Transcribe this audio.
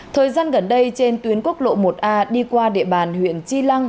thời gian gần đây trên tuyến quốc lộ một a đi qua địa bàn huyện chi lăng